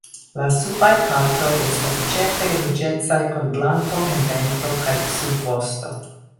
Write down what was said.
La subaj partoj estas ĉefe ruĝecaj kun blanko en ventro kaj subvosto.